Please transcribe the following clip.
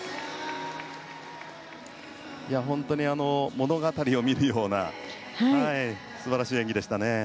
本当に物語を見るような素晴らしい演技でしたね。